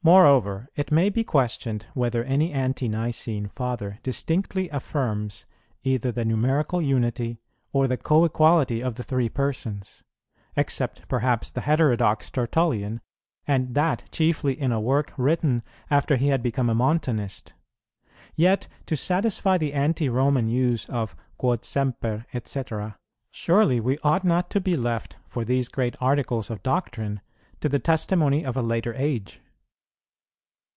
Moreover, it may be questioned whether any Ante nicene father distinctly affirms either the numerical Unity or the Coequality of the Three Persons; except perhaps the heterodox Tertullian, and that chiefly in a work written after he had become a Montanist:[18:1] yet to satisfy the Anti roman use of Quod semper, &c., surely we ought not to be left for these great articles of doctrine to the testimony of a later age.